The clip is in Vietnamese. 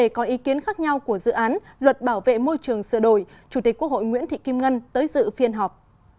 có ý kiến khác nhau của dự án luật bảo vệ môi trường sửa đổi chủ tịch quốc hội nguyễn thị kim ngân tới dự phiên họp